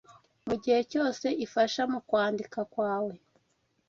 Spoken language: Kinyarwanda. mugihe cyose ifasha mukwandika kwawe